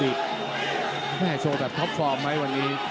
แม่โชว์แบบท็อปฟอร์มไหมวันนี้